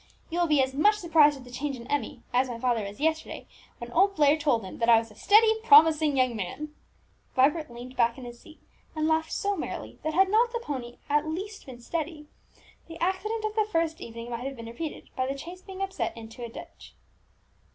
You will be as much surprised at the change in Emmie, as my father was yesterday, when old Blair told him that I was a steady, promising young man!" Vibert leaned back in his seat, and laughed so merrily, that had not the pony at least been steady, the accident of the first evening might have been repeated, by the chaise being upset into a ditch.